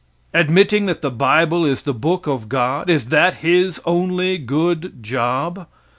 Admitting that the bible is the book of God, is that His only good job?